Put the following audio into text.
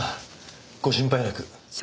ご心配なく。